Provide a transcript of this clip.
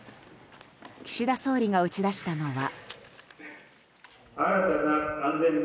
岸田総理が打ち出したのは。